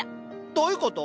どういうこと？